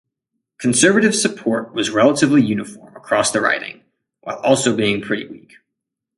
Conservative support was relatively uniform across the riding, while also being pretty weak.